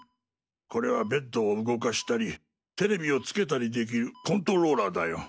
これはベッドを動かしたりテレビをつけたりできるコントローラーだよ。